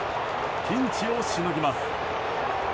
ピンチをしのぎます。